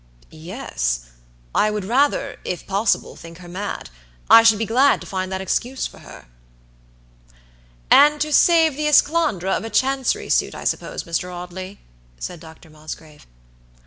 "Yes, I would rather, if possible, think her mad; I should be glad to find that excuse for her." "And to save the esclandre of a Chancery suit, I suppose, Mr. Audley," said Dr. Mosgrave.